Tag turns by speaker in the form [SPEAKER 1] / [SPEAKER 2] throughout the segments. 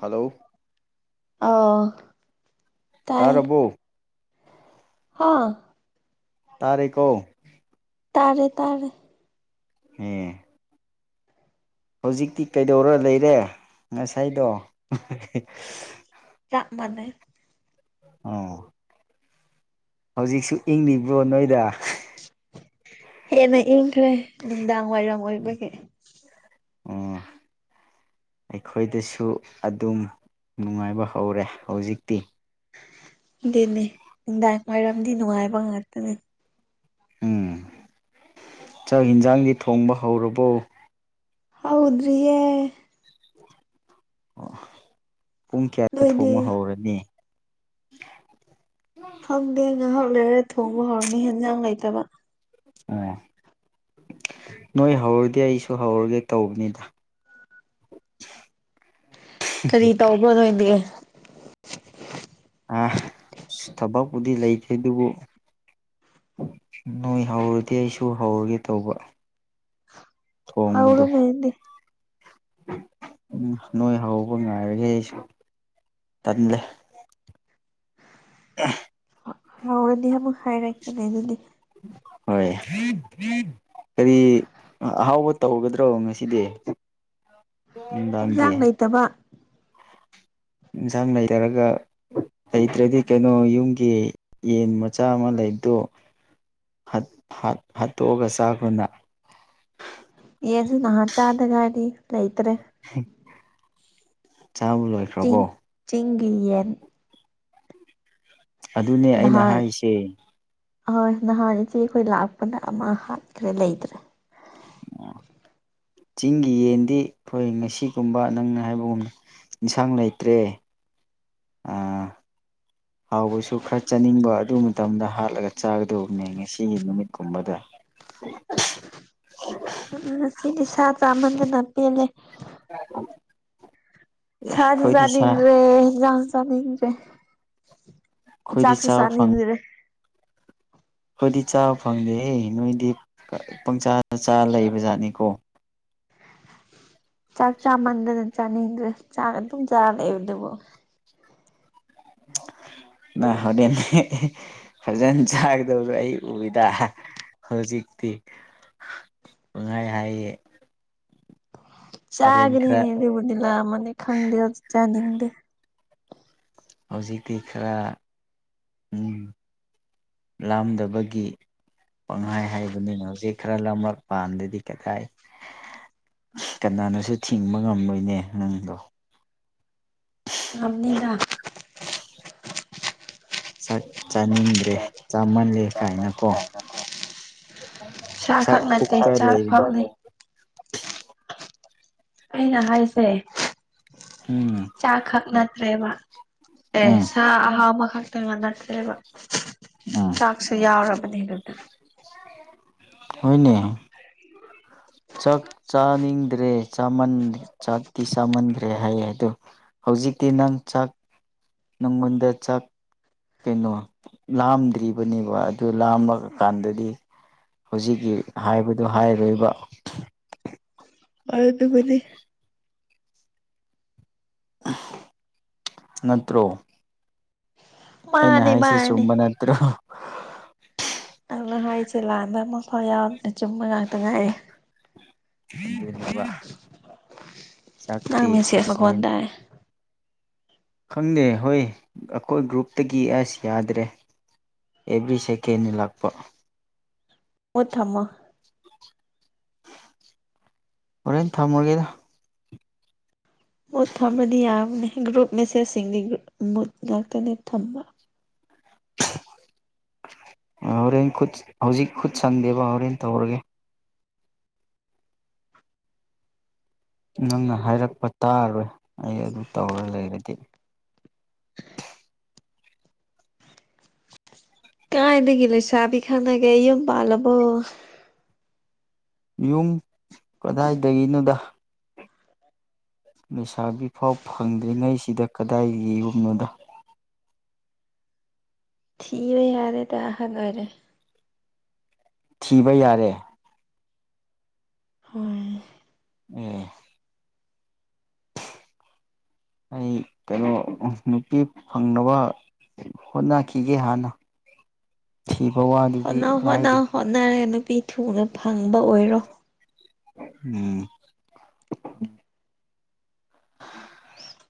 [SPEAKER 1] hello
[SPEAKER 2] ꯑ
[SPEAKER 1] ꯇꯔꯕꯨꯣ
[SPEAKER 2] ꯍꯥꯥ
[SPEAKER 1] ꯇꯥꯔꯈꯣ
[SPEAKER 2] ꯇꯥꯔꯦ ꯇꯥꯔꯦ
[SPEAKER 1] ꯍꯝ ꯍꯧꯖꯤꯛꯇꯤ ꯀꯩꯗꯧꯔ ꯂꯩꯔꯦ ꯉꯁꯥꯏꯗꯣ
[SPEAKER 2] ꯆꯞ ꯃꯅ
[SPEAKER 1] ꯑꯣ ꯍꯧꯖꯤꯛꯁꯨ ꯏꯪꯂꯤꯕ꯭ꯔꯣ ꯅꯣꯏꯗ
[SPEAKER 2] ꯍꯦꯟꯅ ꯏꯪꯈ꯭ꯔꯦ ꯅꯨꯡꯗꯥꯡ ꯋꯥꯏꯔꯝ ꯑꯣꯏꯕꯒꯤ
[SPEAKER 1] ꯑꯣ ꯑꯩꯈꯣꯏꯗꯁꯨ ꯑꯗꯨꯝ ꯅꯨꯡꯉꯥꯏꯕ ꯍꯧꯔꯦ ꯍꯧꯖꯤꯛꯇꯤ
[SPEAKER 2] ꯑꯗꯨꯅꯦ ꯅꯨꯡꯗꯥꯡ ꯋꯥꯏꯔꯝꯗꯤ ꯅꯨꯡꯉꯥꯏꯕ ꯉꯥꯛꯇꯅꯦ
[SPEAKER 1] ꯎꯝ ꯆꯥꯛ ꯌꯦꯟꯁꯥꯡꯗꯤ ꯊꯣꯡꯕ ꯍꯧꯔꯕꯣ
[SPEAKER 2] ꯍꯥꯎꯗ꯭ꯔꯦ
[SPEAKER 1] ꯑꯣ ꯄꯨꯡ ꯀꯌꯥꯗ
[SPEAKER 2] ꯅꯣꯏꯗꯤ
[SPEAKER 1] ꯊꯣꯡꯕ ꯍꯧꯔꯅꯤ
[SPEAKER 2] ꯈꯪꯗꯦ ꯉꯥꯏꯍꯥꯛ ꯂꯩꯔ ꯊꯣꯡꯕ ꯍꯧꯔꯅꯤ ꯍꯦꯟꯖꯥꯡ ꯂꯩꯇꯕ
[SPEAKER 1] ꯑ ꯅꯣꯏ ꯍꯧꯔꯗꯤ ꯑꯩꯁꯨ ꯍꯧꯔꯒꯦ ꯇꯧꯕꯅꯤꯗ [inaudible]
[SPEAKER 2] ꯀꯔꯤ ꯇꯧꯕꯣꯗ ꯑꯣꯏꯗꯤ
[SPEAKER 1] ꯊꯕꯛꯄꯨꯗꯤ ꯂꯩꯇꯦ ꯑꯗꯨꯕꯨ ꯅꯣꯏ ꯍꯧꯔꯗꯤ ꯑꯩꯁꯨ ꯍꯧꯔꯒꯦ ꯇꯧꯕ ꯊꯣꯡꯕꯗꯣ
[SPEAKER 2] ꯍꯧꯔꯅꯤ ꯑꯩꯗꯤ
[SPEAKER 1] ꯎꯝ ꯅꯣꯏ ꯍꯧꯕ ꯉꯥꯏꯔꯒꯦ ꯑꯩꯁꯨ ꯇꯜꯂꯦ
[SPEAKER 2] ꯍꯥꯎꯔꯅꯤ ꯑꯃꯨꯛ ꯍꯥꯏꯔꯛꯀꯦꯅꯦ ꯑꯗꯨꯗꯤ
[SPEAKER 1] ꯍꯣꯏ ꯀꯔꯤ ꯑꯍꯥꯎꯕ ꯇꯧꯒꯗ꯭ꯔꯣ ꯉꯁꯤꯗꯤ ꯦ
[SPEAKER 2] ꯑꯠꯇꯕ
[SPEAKER 1] ꯏꯟꯁꯥꯡ ꯅꯊꯔꯒ ꯂꯩꯇ꯭ꯔꯗꯤ ꯀꯩꯅꯣ ꯌꯨꯝꯒꯤ ꯌꯦꯟ ꯃꯆꯥ ꯑꯃ ꯂꯩꯕꯗꯣ ꯍꯠꯠ ꯍꯥꯠꯇꯣꯛꯑꯒ ꯆꯥꯛꯀꯨꯅ
[SPEAKER 2] ꯑꯦꯁꯨ ꯅꯍꯥ ꯆꯥꯗꯒꯒꯥꯗꯤ ꯂꯩꯇ꯭ꯔꯦ
[SPEAKER 1] ꯎꯝ ꯆꯥ ꯂꯣ
[SPEAKER 2] ꯆ ꯆꯤꯒꯌꯟ
[SPEAKER 1] ꯑꯗꯨꯅꯦ ꯑꯩꯅ ꯍꯥꯏꯔꯤꯁꯦ
[SPEAKER 2] ꯑꯍꯣꯏ ꯅꯍꯥꯟ ꯏꯆꯦ ꯑꯩꯈꯣꯏ ꯂꯥꯛꯄꯅ ꯑꯃ ꯍꯥꯠꯈ꯭ꯔꯦ ꯂꯩꯗ꯭ꯔꯦ
[SPEAKER 1] ꯑꯣ ꯆꯤꯡꯒꯤ ꯌꯦꯟꯗꯤ ꯑꯩꯈꯣꯏ ꯉꯁꯤꯒꯨꯝꯕ ꯅꯪꯅ ꯍꯥꯏꯕꯒꯨꯝꯅ ꯏꯟꯁꯥꯡ ꯂꯩꯇ꯭ꯔꯦ ꯑꯥ ꯍꯥꯎꯕꯁꯨ ꯈꯔ ꯆꯥꯅꯤꯡꯕ ꯑꯗꯨ ꯃꯇꯝꯗ ꯍꯥꯠꯂꯒ ꯆꯥꯒꯗꯧꯕꯅꯦ ꯉꯁꯤꯒꯤ ꯅꯨꯃꯤꯠꯀꯨꯝꯕꯗ
[SPEAKER 2] ꯉꯁꯤ ꯅꯤꯁꯥ ꯆꯥꯍꯟꯗꯅ ꯄꯦꯜꯂꯦ
[SPEAKER 1] ꯑ
[SPEAKER 2] ꯁꯥꯖ ꯆꯗ꯭ꯔꯦ ꯍꯖꯥꯡ ꯆꯗ꯭ꯔꯦ
[SPEAKER 1] ꯑꯩꯈꯣꯏꯗꯤ
[SPEAKER 2] ꯆꯥꯛꯁꯨ
[SPEAKER 1] ꯆꯥꯕ
[SPEAKER 2] ꯆꯅꯤ
[SPEAKER 1] ꯐꯪ
[SPEAKER 2] ꯍꯤꯟꯗꯔꯦ
[SPEAKER 1] ꯑꯩꯈꯣꯏꯗꯤ ꯆꯥꯕ ꯐꯪꯗꯦ ꯅꯣꯏꯗꯤ ꯄꯪꯆꯥ ꯆꯥ ꯂꯩꯕ ꯖꯥꯠꯅꯤꯀꯣ
[SPEAKER 2] ꯆꯥꯛ ꯆꯥꯃꯟꯗꯅ ꯆꯥꯅꯤꯡꯗ꯭ꯔꯦ ꯆꯥ ꯑꯗꯨꯝ ꯆꯥꯔ ꯂꯩꯕ ꯑꯗꯨꯕꯨ
[SPEAKER 1] ꯑꯣ ꯅ ꯍꯣꯔꯦꯟ ꯐꯖꯅ ꯆꯥꯒꯗꯧꯁꯨ ꯑꯩ ꯎꯏꯗ ꯍꯧꯖꯤꯛꯇꯤ ꯥꯏ ꯍꯥꯏꯌꯦ ꯍꯣꯔꯦꯟ ꯈꯔ
[SPEAKER 2] ꯆꯥꯒꯔꯤꯅꯦꯗꯤꯕꯨꯗꯤꯂ ꯃꯅꯤ ꯈꯪꯗꯦ ꯆꯥꯅꯤꯡꯗꯦ
[SPEAKER 1] ꯍꯧꯖꯤꯛꯇꯤ ꯈꯔ ꯎꯝ ꯂꯥꯝꯗꯕꯒꯤ ꯄꯪꯍꯥꯏ ꯍꯥꯏꯕꯅꯤꯅ ꯍꯧꯖꯤꯛ ꯈꯔ ꯂꯝꯔꯛ ꯄꯥꯟꯗꯗꯤ ꯀꯈꯥꯏ ꯀꯅꯥꯅꯁꯨ ꯊꯤꯡꯕ ꯉꯝꯂꯣꯏꯅꯦ ꯅꯪꯗꯣ
[SPEAKER 2] ꯉꯅꯤꯗ
[SPEAKER 1] ꯥꯛ ꯆꯥꯅꯤꯡꯗ꯭ꯔꯦ ꯆꯥꯃꯜꯂꯦ ꯀꯥꯏꯅ ꯀꯣ ꯆ
[SPEAKER 2] ꯆꯥꯈꯛ ꯅꯠꯇꯦ
[SPEAKER 1] ꯄꯨꯛꯇꯛꯇ
[SPEAKER 2] ꯆꯥꯛ
[SPEAKER 1] ꯂꯩ
[SPEAKER 2] ꯐꯥꯎꯅꯤ ꯑꯩꯅ ꯍꯥꯏꯁꯦ
[SPEAKER 1] ꯎꯝ
[SPEAKER 2] ꯆꯥꯈꯛ ꯅꯠꯇ꯭ꯔꯦ ꯋꯥ ꯑꯦ
[SPEAKER 1] ꯎꯝ
[SPEAKER 2] ꯁ ꯑꯍꯕ ꯀꯩꯅꯩꯅ ꯅꯠꯇ꯭ꯔꯦꯕ ꯆꯥꯛꯁꯨ ꯌꯥꯎꯔꯕꯅꯦ ꯑꯗꯨꯗ
[SPEAKER 1] ꯍꯅꯦ ꯆꯥꯛ ꯆꯥꯅꯤꯡꯗ꯭ꯔꯦ ꯆꯃꯟ ꯆꯥꯛꯇꯤ ꯆꯥꯃꯟꯕ꯭ꯔ ꯇ꯭ꯔꯦ ꯍꯥꯏꯌꯦ ꯑꯗꯣ ꯍꯧꯖꯤꯛꯇꯤ ꯅꯪ ꯆꯥꯛ ꯅꯪꯉꯣꯟꯗ ꯆꯥꯛ ꯀꯩꯅꯣ ꯂꯥꯝꯗ꯭ꯔꯤꯕꯅꯦꯕ ꯑꯗꯨ ꯂꯥꯝꯃ ꯀꯥꯟꯗꯗꯤ ꯍꯧꯖꯤꯛꯀꯤ ꯍꯥꯏꯕꯗꯣ ꯍꯥꯏꯔꯣꯏꯕ
[SPEAKER 2] ꯑꯕꯤꯕꯨꯅꯤ
[SPEAKER 1] ꯅꯠꯇ꯭ꯔꯣ ꯑꯩꯅ
[SPEAKER 2] ꯃꯥꯅꯦ
[SPEAKER 1] ꯍꯥꯏꯁꯤ
[SPEAKER 2] ꯃꯥꯅꯦ
[SPEAKER 1] ꯆꯨꯝꯕ ꯅꯠꯇ꯭ꯔꯣ
[SPEAKER 2] ꯑꯗꯨꯅ ꯍꯥꯏꯔꯤꯁꯦ ꯂꯥꯟꯗ ꯃꯁꯥ ꯌꯥꯎ ꯆꯨꯝꯕ ꯉꯥꯛꯇ ꯉꯥꯏꯔ
[SPEAKER 1] [inaudible] ꯆꯥꯛꯇꯤ
[SPEAKER 2] ꯅꯪꯅꯦ ꯁꯦꯠꯄ ꯈꯣ
[SPEAKER 1] ꯁꯨꯃꯥꯏꯅ
[SPEAKER 2] ꯇꯥꯏꯦ
[SPEAKER 1] ꯈꯪꯗꯦ ꯍꯣꯏ ꯑꯩꯈꯣꯏ ꯒ꯭ꯔꯨꯞꯇꯒꯤ ꯑꯁ ꯌꯥꯗ꯭ꯔꯦ ꯑꯦꯕ꯭ꯔꯤ ꯁꯦꯀꯦꯟ ꯂꯥꯛꯄ
[SPEAKER 2] ꯃꯊꯃ
[SPEAKER 1] ꯍꯣꯔꯦꯟ ꯊꯝꯃꯨꯔꯒꯦꯗ
[SPEAKER 2] ꯃꯨꯠ ꯊꯝꯕꯗꯤ ꯌꯥꯕꯅꯦ ꯒ꯭ꯔꯨꯞ ꯃꯦꯁꯦꯁꯁꯤꯡꯗꯤ ꯃꯨꯠ ꯉꯥꯛꯇꯅꯦ ꯊꯝꯕ
[SPEAKER 1] ꯍꯣꯔꯦꯟ ꯈꯨꯠ ꯍꯧꯖꯤꯛ ꯈꯨꯠ ꯁꯪꯗꯦꯕ ꯍꯣꯔꯦꯟ ꯇꯧꯔꯒꯦ ꯅꯪꯅ ꯍꯥꯏꯔꯛꯄ ꯇꯥꯔꯣꯏ ꯑꯩ ꯑꯗꯨ ꯇꯧꯔ ꯂꯩꯔꯗꯤ
[SPEAKER 2] ꯀꯥꯏꯅꯒ ꯂꯩꯁꯕꯤ ꯈꯥꯟꯒꯦ ꯏꯨꯝ ꯄꯜꯕꯣ
[SPEAKER 1] ꯌꯨꯝ ꯀꯗꯥꯏꯗꯒꯤꯅꯣꯗ ꯂꯩꯁꯥꯕꯤ ꯐꯥꯎ ꯐꯪꯗ꯭ꯔꯤꯉꯩꯁꯤꯗ ꯀꯗꯥꯏ ꯌꯦꯒꯨꯝꯅꯣꯗ
[SPEAKER 2] ꯊꯕ ꯌꯥꯔꯦ ꯇ ꯑꯍ ꯈꯔꯦ
[SPEAKER 1] ꯊꯤꯕ ꯌꯥꯔꯦ
[SPEAKER 2] ꯍꯣꯏ
[SPEAKER 1] ꯑꯦ ꯑꯩ ꯀꯩꯅꯣ ꯅꯨꯄꯤ ꯐꯪꯅꯕ ꯍꯣꯠꯅꯈꯤꯒꯦ ꯍꯥꯟꯅ ꯊꯤꯕ ꯋꯥꯗꯤ
[SPEAKER 2] ꯍꯣꯠꯅ ꯍꯣꯠꯅ ꯍꯣꯠꯅꯔꯦ ꯅꯨꯄꯤ ꯊꯨꯅ ꯐꯪꯕ ꯑꯣꯏꯔꯣ
[SPEAKER 1] ꯎꯝ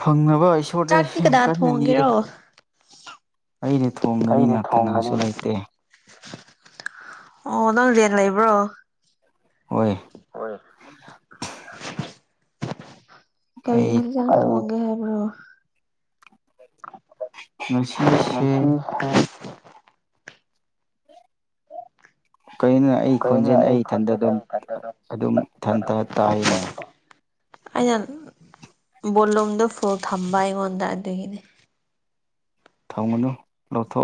[SPEAKER 1] ꯐꯪꯅꯕ ꯁꯣꯔꯗꯔꯦ
[SPEAKER 2] ꯆꯥꯛꯇꯤ
[SPEAKER 1] ꯌꯥꯝ
[SPEAKER 2] ꯀꯅꯥ
[SPEAKER 1] ꯀꯟꯅ ꯅꯤꯔꯦ
[SPEAKER 2] ꯊꯣꯡꯒꯦꯔꯣ
[SPEAKER 1] ꯑꯩꯅ ꯊꯣꯡꯒꯅꯤꯅ
[SPEAKER 2] ꯑꯩꯅ
[SPEAKER 1] ꯀꯅꯥꯁꯨ
[SPEAKER 2] ꯊꯣꯡꯒꯅꯤꯅ
[SPEAKER 1] ꯂꯩꯇꯦ
[SPEAKER 2] ꯑꯣ ꯅꯪ ꯖꯤꯌꯥꯟ ꯂꯩꯕ꯭ꯔꯣ
[SPEAKER 1] ꯍꯣꯏ
[SPEAKER 2] ꯍꯣꯏ ꯀꯔꯤ
[SPEAKER 1] ꯑꯩ
[SPEAKER 2] ꯑꯦꯜꯖꯝ ꯃꯒ ꯍꯥꯏꯕ꯭ꯔꯣ
[SPEAKER 1] ꯉꯁꯤꯁꯦ
[SPEAKER 2] ꯎꯝ
[SPEAKER 1] ꯀꯔꯤꯒꯤꯣ ꯑꯩ
[SPEAKER 2] ꯀꯩꯅꯣ
[SPEAKER 1] ꯈꯣꯟꯖꯦꯜ ꯑꯩ ꯏꯊꯟꯗ
[SPEAKER 2] ꯈꯣꯟꯖꯦꯜ
[SPEAKER 1] ꯑꯗꯨꯝ
[SPEAKER 2] ꯑꯩ ꯏꯊꯟꯇ
[SPEAKER 1] ꯑꯗꯨꯝ
[SPEAKER 2] ꯑꯗꯨꯝ
[SPEAKER 1] ꯏꯊꯟꯇ ꯇꯥꯏꯅꯦ
[SPEAKER 2] ꯊꯝꯕ ꯑꯩꯅ ꯕꯣꯂꯨꯝꯗꯨ ꯐꯨ ꯊꯝꯕ ꯑꯩꯉꯣꯟꯗ ꯑꯗꯨꯒꯤꯗꯤ
[SPEAKER 1] ꯊꯥꯎ ꯃꯅꯨꯡꯅ ꯂꯇꯣ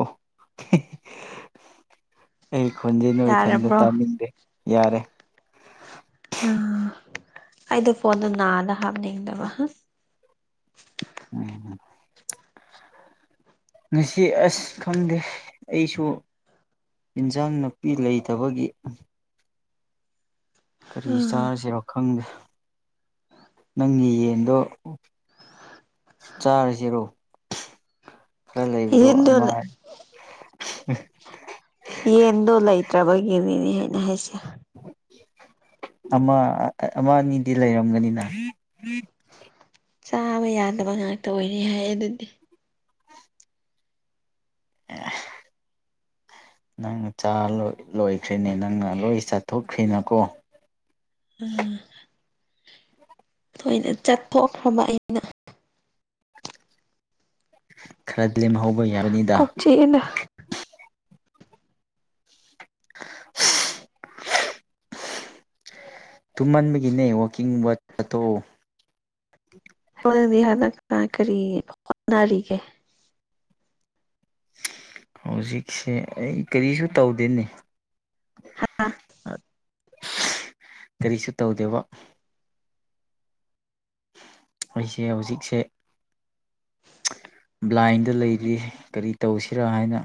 [SPEAKER 1] ꯑꯩ ꯈꯣꯟꯖꯦ ꯅ ꯏꯊꯟꯗ
[SPEAKER 2] ꯌꯥꯔꯕ꯭ꯔꯣ
[SPEAKER 1] ꯇꯥꯅꯤꯡꯗꯦ ꯌꯥꯔꯦ
[SPEAKER 2] ꯑ ꯑꯩꯗꯣ ꯐꯣꯟꯗꯣ ꯅꯥꯗ ꯍꯥꯞꯅꯤꯡꯗꯕ ꯍꯥ
[SPEAKER 1] ꯎꯝ ꯉꯁꯤ ꯑꯁ ꯈꯪꯗꯦ ꯑꯩꯁꯨ ꯏꯟꯖꯥꯡ ꯅꯥꯄꯤ ꯂꯩꯇꯕꯒꯤ ꯀꯔꯤ ꯆꯥꯔꯁꯤꯔꯣ ꯈꯪꯗꯦ ꯅꯪꯒꯤ ꯌꯦꯟꯗꯣ ꯆꯥꯔꯤꯁꯤꯔꯣ ꯈꯔ ꯂꯩꯕꯗꯣ
[SPEAKER 2] ꯌꯦꯟꯗꯣ
[SPEAKER 1] ꯑꯃ
[SPEAKER 2] ꯌꯦꯟꯗꯣ ꯂꯩꯇ꯭ꯔꯕꯒꯤꯅꯤꯅꯦ ꯍꯥꯏꯅ ꯍꯥꯏꯁꯦ
[SPEAKER 1] ꯑꯃ ꯑꯃ ꯑꯅꯤꯗꯤ ꯂꯩꯔꯝꯒꯅꯤꯅ
[SPEAKER 2] ꯆꯥꯕ ꯌꯥꯗꯕ ꯉꯥꯛꯇ ꯑꯣꯏꯅꯤ ꯍꯥꯏ ꯑꯗꯨꯗꯤ
[SPEAKER 1] ꯑ ꯅꯪ ꯆꯥ ꯂꯣꯏꯈ꯭ꯔꯔꯤꯅꯦ ꯅꯪꯅ ꯂꯣꯏ ꯆꯥꯊꯣꯛꯈ꯭ꯔꯤꯅꯀꯣ
[SPEAKER 2] ꯎ ꯊꯣꯏꯅ ꯆꯠꯊꯣꯛꯈ꯭ꯔꯕ ꯑꯩꯅ
[SPEAKER 1] ꯈꯔꯗꯤ ꯂꯦꯝꯍꯧꯕ ꯌꯥꯕꯅꯤ
[SPEAKER 2] ꯀ ꯆꯅ
[SPEAKER 1] [inaudible] ꯇꯨꯝꯃꯟꯕꯒꯤꯅꯦ ꯋꯥꯛꯀꯤꯡ ꯋꯥꯇꯣ
[SPEAKER 2] ꯍꯗꯤ ꯍꯅꯛ ꯇ ꯀꯔꯤ ꯍꯅꯔꯤꯒ
[SPEAKER 1] ꯍꯧꯖꯤꯛꯁꯦ ꯑꯩ ꯀꯔꯤꯁꯨ ꯇꯧꯗꯦꯅꯦ
[SPEAKER 2] ꯍꯥꯥ
[SPEAKER 1] ꯀꯔꯤꯁꯨ ꯇꯧꯗꯦꯕ ꯑꯩꯁꯦ ꯍꯧꯖꯤꯛꯁꯦ ꯕ꯭ꯂꯥꯏꯟꯗ ꯂꯩꯔꯤ ꯀꯔꯤ ꯇꯧꯁꯤꯔꯥ ꯍꯥꯏꯅ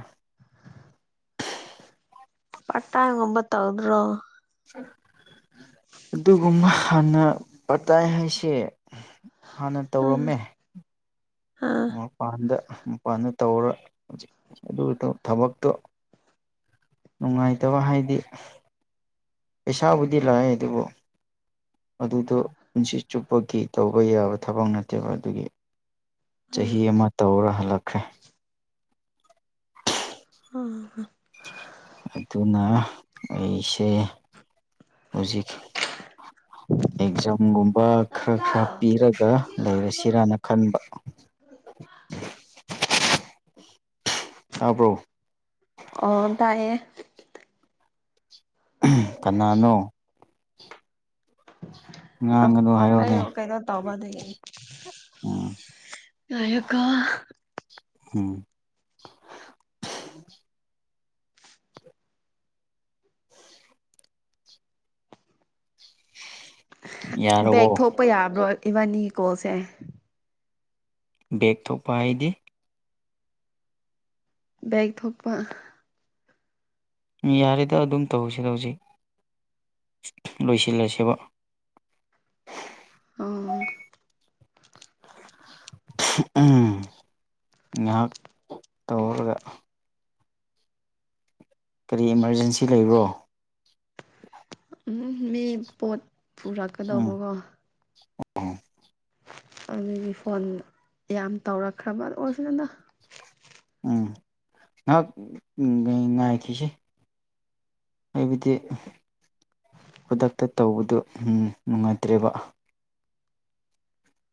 [SPEAKER 2] ꯄꯠꯇꯥꯏꯒꯝꯕ ꯇꯧꯗꯔꯣ
[SPEAKER 1] ꯑꯗꯨꯒꯨꯝꯕ ꯍꯥꯟꯅ ꯄꯇꯥꯏ ꯍꯥꯏꯁꯦ ꯍꯥꯟꯅ
[SPEAKER 2] ꯑꯥ
[SPEAKER 1] ꯇꯧꯔꯝꯃꯦ
[SPEAKER 2] ꯑꯥ
[SPEAKER 1] ꯃꯄꯥꯟꯗ ꯃꯄꯥꯟꯗ ꯇꯧꯔ ꯍꯧꯖꯤꯛ ꯑꯗꯨ ꯊꯕꯛꯇꯣ ꯅꯨꯡꯉꯥꯏꯇꯕ ꯍꯥꯏꯗꯤ ꯄꯩꯁꯥꯕꯨꯗꯤ ꯂꯥꯛꯑꯦ ꯑꯗꯨꯕꯨ ꯑꯗꯨꯗꯣ ꯄꯨꯟꯁꯤ ꯆꯨꯞꯄꯒꯤ ꯇꯧꯕ ꯌꯥꯕ ꯊꯕꯛ ꯅꯠꯇꯦꯕ ꯑꯗꯨꯒꯤ
[SPEAKER 2] ꯑꯥ
[SPEAKER 1] ꯆꯍꯤ ꯑꯃ ꯇꯧꯔ ꯍꯜꯂꯛꯈ꯭ꯔꯦ
[SPEAKER 2] ꯎꯝ
[SPEAKER 1] ꯑꯗꯨꯅ ꯑꯩꯁꯦ ꯍꯧꯖꯤꯛ ꯑꯦꯛꯖꯥꯝꯒꯨꯝꯕ ꯈꯔ ꯈꯔ ꯄꯤꯔꯒ ꯂꯩꯔꯁꯤꯔꯥꯅ ꯈꯟꯕ ꯇꯥꯄꯣ
[SPEAKER 2] ꯑꯣ ꯇꯥꯏꯌꯦ
[SPEAKER 1] ꯀꯅꯥꯅꯣ
[SPEAKER 2] ꯑ
[SPEAKER 1] ꯑꯪ
[SPEAKER 2] ꯑꯩ ꯀꯩꯅꯣ ꯇꯧꯕ ꯑꯗꯨꯗꯒꯤꯅꯤ
[SPEAKER 1] ꯎꯝ
[SPEAKER 2] ꯑꯩꯒ
[SPEAKER 1] ꯎꯝ
[SPEAKER 2] ꯕꯦꯛ
[SPEAKER 1] ꯌꯥꯔꯕꯣ
[SPEAKER 2] ꯊꯣꯛꯄ ꯌꯥꯕ꯭ꯔꯣ ꯏꯕꯥꯅꯤ ꯀꯣꯜꯁꯦ
[SPEAKER 1] ꯕꯦꯛ ꯊꯣꯛꯄ ꯍꯥꯏꯗꯤ
[SPEAKER 2] ꯕꯏꯛ ꯊ ꯊꯣꯛꯣꯛꯛꯄ
[SPEAKER 1] ꯌꯥꯔꯦꯗ ꯑꯗꯨꯝ ꯇꯧꯁꯤꯗ ꯍꯧꯖꯤꯛ ꯂꯣꯏꯁꯤꯜꯂꯁꯦꯕ
[SPEAKER 2] ꯑꯣ
[SPEAKER 1] ꯉꯥꯏꯍꯥꯛ ꯇꯧꯔꯒ ꯀꯔꯤ ꯏꯃꯥꯔꯖꯦꯟꯁꯤ ꯂꯩꯕ꯭ꯔꯣ
[SPEAKER 2] ꯎꯝ ꯃꯤ ꯄꯣꯠ
[SPEAKER 1] ꯎꯝ
[SPEAKER 2] ꯄꯨꯔꯛꯀꯗꯧꯕꯀꯣ ꯑꯗꯨꯗꯒꯤ ꯐꯣꯟ ꯌꯥꯝ ꯇꯧꯔꯛꯈ꯭ꯔꯕ ꯑꯣꯏꯔꯁꯨ ꯅꯟꯗ
[SPEAKER 1] ꯎꯝ ꯉꯍꯥꯛ ꯉꯥꯏꯈꯤꯁꯦ ꯍꯥꯏꯕꯗꯤ ꯈꯨꯗꯛꯇ ꯇꯧꯕꯗꯨ ꯅꯨꯡꯉꯥꯏꯇ꯭ꯔꯦꯕ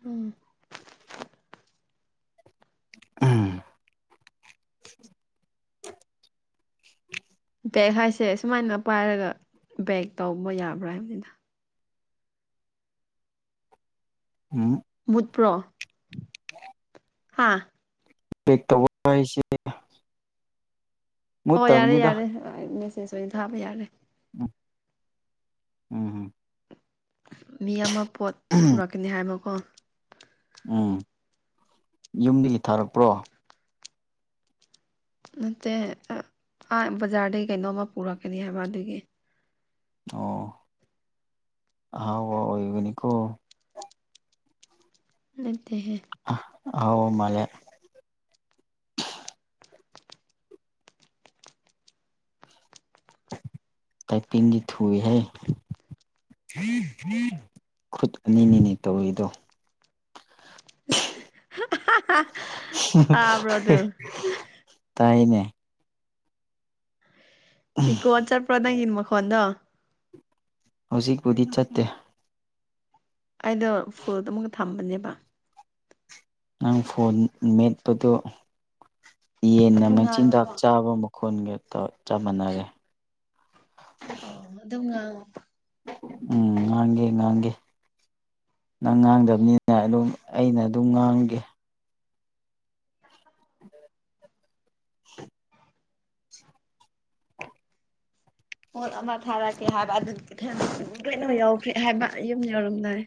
[SPEAKER 2] ꯎꯝ
[SPEAKER 1] ꯎꯝ
[SPEAKER 2] ꯕꯦꯛ ꯍꯥꯏꯁꯦ ꯁꯨꯃꯥꯏꯅ ꯄꯥꯏꯔꯒ ꯕꯦꯛ ꯇꯧꯕ ꯌꯥꯕ꯭ꯔꯥ ꯍꯥꯏꯕꯅꯤꯅ
[SPEAKER 1] ꯎꯝ
[SPEAKER 2] ꯃꯨꯠꯄ꯭ꯔꯣ ꯍꯥ
[SPEAKER 1] ꯕꯦꯛ ꯇꯧꯕ ꯍꯥꯏꯁꯦ
[SPEAKER 2] ꯑꯣ ꯌꯥꯔꯦ
[SPEAKER 1] ꯃꯨꯠꯇꯕꯅꯤꯗ
[SPEAKER 2] ꯌꯥꯔꯦ ꯑꯩ ꯃꯦꯁꯦꯖ ꯑꯣꯏꯅ ꯊꯥꯕ ꯌꯥꯔꯦ
[SPEAKER 1] ꯎꯝ ꯎꯝ ꯎꯝ
[SPEAKER 2] ꯃꯤ ꯑꯃ ꯄꯣꯠ ꯄꯨꯔꯛꯀꯅꯤ ꯍꯥꯏꯕꯀꯣ
[SPEAKER 1] ꯎꯝ ꯌꯨꯝꯗꯒꯤ ꯊꯥꯔꯛꯄ꯭ꯔꯣ
[SPEAKER 2] ꯅꯠꯇꯦ ꯑꯥ ꯕꯖꯥꯔꯗꯒꯤ ꯀꯩꯅꯣꯝꯃ ꯄꯨꯔꯛꯀꯅꯤ ꯍꯥꯏꯕ ꯑꯗꯨꯒꯤ
[SPEAKER 1] ꯑꯣ ꯍꯥꯎ ꯏꯕꯅꯤꯀꯣ
[SPEAKER 2] ꯂꯩꯦꯍꯦ
[SPEAKER 1] ꯑꯥꯎ ꯃꯂꯦ ꯀꯥꯏ ꯄꯤꯡꯖꯠ ꯍꯨꯏ ꯍ ꯈꯨꯨꯠ ꯑꯅꯤ ꯅꯤꯅꯤ ꯇꯧꯏꯗꯣ
[SPEAKER 2] ꯇꯥꯕ꯭ꯔꯣ ꯑꯗꯨ
[SPEAKER 1] ꯇꯥꯏꯅꯦ
[SPEAKER 2] ꯏꯀꯣ ꯑꯆꯥ ꯄ꯭ꯔꯗꯪꯅ ꯃꯈ ꯈꯣꯟꯗ
[SPEAKER 1] ꯍꯧꯖꯤꯛꯄꯨꯗꯤ ꯆꯠꯇꯦ
[SPEAKER 2] ꯑꯩꯗꯣ ꯐꯨꯜꯗꯨ ꯑꯃꯨꯀ ꯊꯝꯕꯅꯦꯕ
[SPEAKER 1] ꯅꯪ ꯐꯣꯟ ꯃꯦꯠꯄꯗꯨꯣ ꯌꯦꯟꯅ
[SPEAKER 2] ꯑꯗꯨꯝ
[SPEAKER 1] ꯃꯆꯤꯟꯖꯥꯛ
[SPEAKER 2] ꯉꯥꯡꯉꯣꯀꯣ
[SPEAKER 1] ꯆꯥꯕꯨ ꯈꯨꯟꯒꯛꯇ ꯆꯞ ꯃꯥꯟꯅꯔꯦ
[SPEAKER 2] ꯑ ꯑꯗꯨ
[SPEAKER 1] ꯎꯝ ꯉꯥꯡꯒꯦ ꯉꯥꯡꯒꯦ ꯅꯪ ꯉꯥꯡꯗꯕꯅꯤꯅ ꯑꯗꯨꯝ ꯑꯩꯅ ꯑꯗꯨꯝ ꯉꯥꯡꯒꯦ [unintelligible] [inaudible]
[SPEAKER 2] ꯄꯣꯠ ꯑꯃ ꯊꯥꯔꯛꯀꯦ ꯍꯥꯏꯕ ꯑꯗꯨꯊꯪ ꯂꯣꯏꯅꯃꯛ ꯌꯥꯎꯈ꯭ꯔꯦ ꯍꯥꯏꯕ ꯌꯨꯝ ꯌꯧꯔꯝꯗꯔꯦ